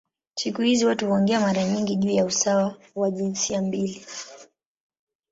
Siku hizi watu huongea mara nyingi juu ya usawa wa jinsia mbili.